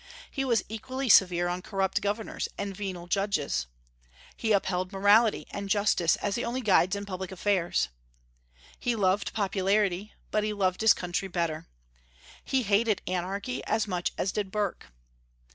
He was equally severe on corrupt governors and venal judges. He upheld morality and justice as the only guides in public affairs. He loved popularity, but he loved his country better. He hated anarchy as much as did Burke.